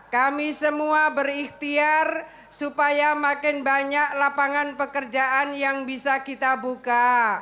kami semua berikhtiar supaya makin banyak lapangan pekerjaan yang bisa kita buka